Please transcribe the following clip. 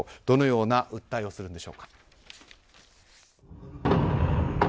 どのような訴えをするんでしょうか。